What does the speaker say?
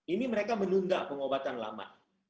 ini mereka menunda pengobatan lama